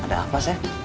ada apa sepp